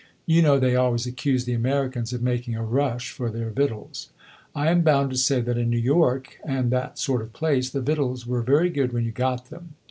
You know they always accuse the Americans of making a rush for their victuals. I am bound to say that in New York, and that sort of place, the victuals were very good when you got them.